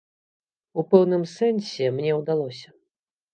У пэўным сэнсе мне ўдалося.